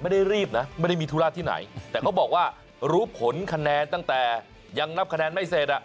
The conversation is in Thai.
ไม่ได้รีบนะไม่ได้มีธุระที่ไหนแต่เขาบอกว่ารู้ผลคะแนนตั้งแต่ยังนับคะแนนไม่เสร็จอ่ะ